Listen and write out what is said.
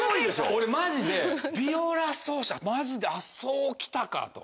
俺マジでビオラ奏者マジでそう来たかと。